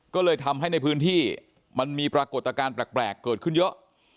ก็เลยทำให้ในพื้นที่มันมีปรากฏการณ์แปลกเกิดขึ้นเยอะ